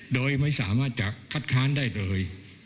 โดยไม่สามารถจะคัดค้านได้เลย